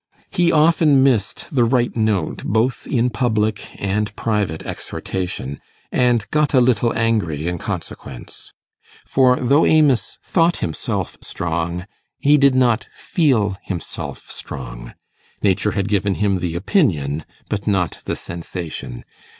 He often missed the right note both in public and private exhortation, and got a little angry in consequence. For though Amos thought himself strong, he did not feel himself strong. Nature had given him the opinion, but not the sensation.